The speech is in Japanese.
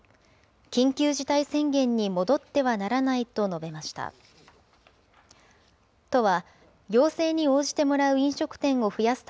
緊急事態宣言に戻ってはならないと述べました。